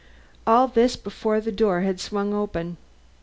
All this before the door had swung open.